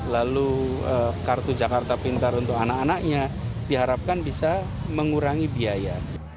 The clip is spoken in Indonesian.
lalu kartu jakarta pintar untuk anak anaknya diharapkan bisa mengurangi biaya